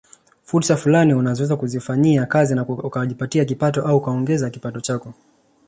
Fursa fulani unazoweza kuzifanyia kazi na ukajipatia kipato au ukaongeza kipato chako